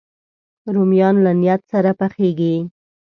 رومیان له نیت سره پخېږي